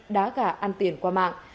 đá gà ăn tiền qua mạng